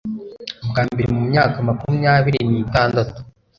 bwa mbere mu myaka makumyabiri n'itandatu